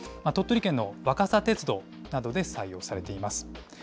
鳥取県の若桜鉄道などで採用されています。